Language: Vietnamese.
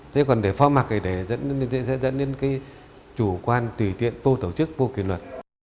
thế còn để phó mặt thì để dẫn đến cái chủ quan tùy tiện vô tổ chức vô kỷ luật